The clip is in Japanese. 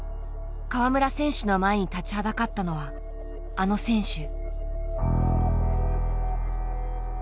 川村選手の前に立ちはだかったのはあの選手。